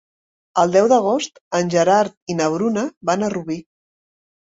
El deu d'agost en Gerard i na Bruna van a Rubí.